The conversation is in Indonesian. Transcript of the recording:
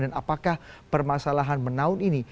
apakah permasalahan menaun ini